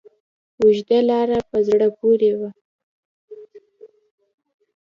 اوږده لاره په زړه پورې وه.